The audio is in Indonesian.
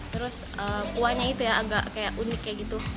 terus kuahnya itu ya agak kayak unik kayak gitu